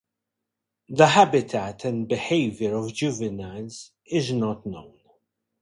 The habitat and behaviour of juveniles is not known.